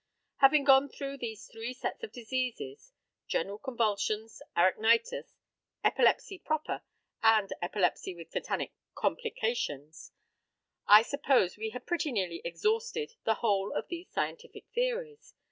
Having gone through these three sets of diseases general convulsions, arachnitis, epilepsy proper, and epilepsy with tetanic complications, I supposed we had pretty nearly exhausted the whole of these scientific theories.